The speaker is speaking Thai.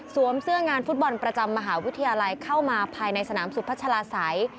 เสื้องานฟุตบอลประจำมหาวิทยาลัยเข้ามาภายในสนามสุพัชลาศัย